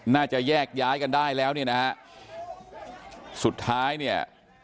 น่าจะแยกย้ายกันได้แล้วเนี่ยนะฮะสุดท้ายเนี่ย